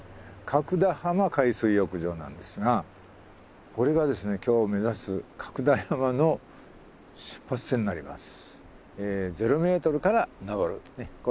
角田浜海水浴場なんですがこれがですね今日目指す角田山の出発点になります。